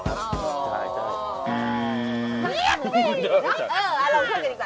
เออเอาลองช่วยกันดีกว่า